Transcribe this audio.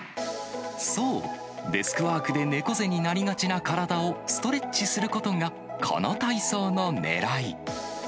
そう、デスクワークで猫背になりがちな体をストレッチすることが、この体操のねらい。